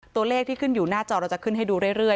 ตัวเลขที่ขึ้นอยู่หน้าจอเราจะขึ้นให้ดูเรื่อย